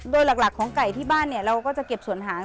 โดยหลักของไก่ที่บ้านเนี่ยเราก็จะเก็บส่วนหาง